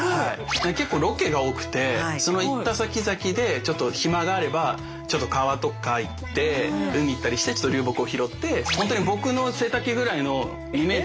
結構ロケが多くてその行ったさきざきでちょっと暇があればちょっと川とか行って海行ったりしてちょっと流木を拾ってほんとに僕の背丈ぐらいの２メートルの流木とかもあったり。